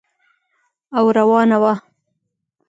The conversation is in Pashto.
او روانه وه.